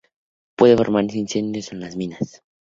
Puede formarse por incendios en las minas.